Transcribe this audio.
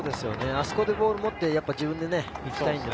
あそこでボールを持って自分で行きたい。